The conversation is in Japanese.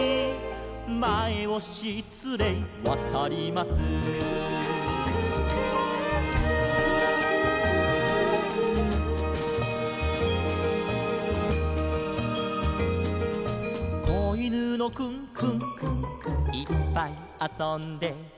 「『まえをしつれいわたります』」「こいぬのクンクンいっぱいあそんで」